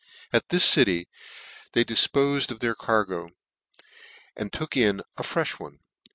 At this city they difpofed of their cargo, and took in a freih one.